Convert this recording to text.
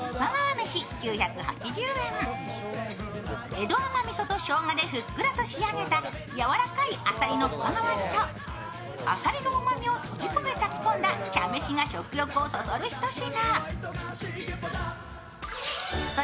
江戸甘味噌としょうがでふっくらと仕上げたやわらかいあさりの深川煮とあさりのうまみを閉じ込め炊き込んだ茶飯が食欲をそそる一品。